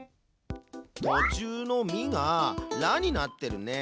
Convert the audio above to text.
とちゅうの「ミ」が「ラ」になってるね。